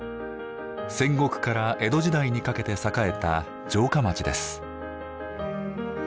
戦国から江戸時代にかけて栄えた城下町です。